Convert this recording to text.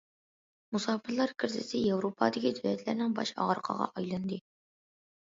مۇساپىرلار كىرىزىسى ياۋروپادىكى دۆلەتلەرنىڭ باش ئاغرىقىغا ئايلاندى.